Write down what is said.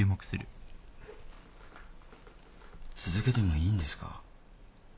続けてもいいんですか？